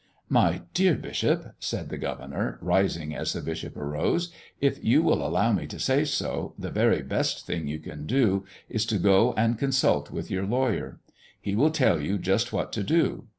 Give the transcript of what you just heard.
"My dear bishop," said the governor, rising as the bishop arose, "if you will allow me to say so, the very best thing you can do is to go and consult with your lawyer. He will tell you just what to do.